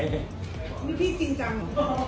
นี่พี่จริงจัง